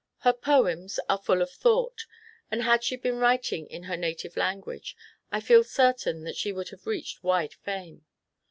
Her poems are fuU of thought, and had she been writing in her native language, I feel certain that she would have reached wide fame.